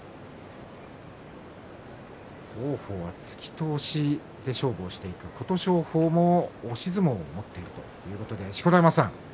王鵬は突きと押しで勝負をしていて琴勝峰も押し相撲を持っているということで錣山さん